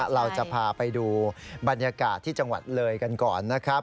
เราจะพาไปดูบรรยากาศที่จังหวัดเลยกันก่อนนะครับ